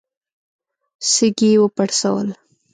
سږي يې وپړسول.